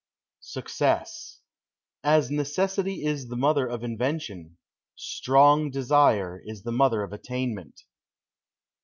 SUCCESS As necessity is the mother of invention, strong desire is the mother of attainment.